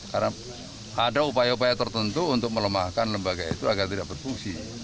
karena ada upaya upaya tertentu untuk melemahkan lembaga itu agar tidak berfungsi